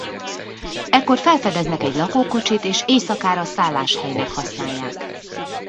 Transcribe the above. Ekkor felfedeznek egy lakókocsit és éjszakára szálláshelynek használják.